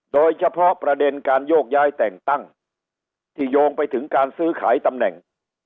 โดยเฉพาะประเด็นการโยกย้ายแต่งตั้งที่โยงไปถึงการซื้อขายตำแหน่ง